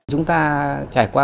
chúng ta trải qua